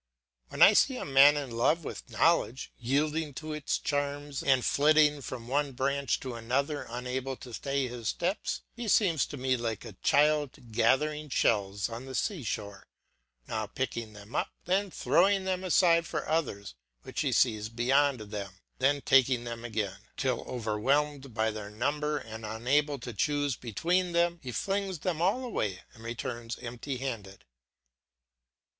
When I see a man in love with knowledge, yielding to its charms and flitting from one branch to another unable to stay his steps, he seems to me like a child gathering shells on the sea shore, now picking them up, then throwing them aside for others which he sees beyond them, then taking them again, till overwhelmed by their number and unable to choose between them, he flings them all away and returns empty handed.